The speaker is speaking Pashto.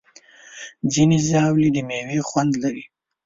ځینې ژاولې د میوې خوند لري.